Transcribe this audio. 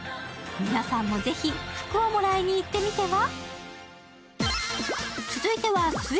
皆さんもぜひ福をもらいに行ってみては？